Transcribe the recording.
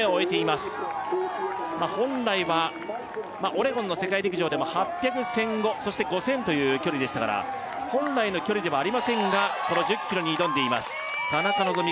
まっ本来はオレゴンの世界陸上でも８００１５００そして５０００という距離でしたから本来の距離ではありませんがこの１０ｋｍに挑んでいます田中希実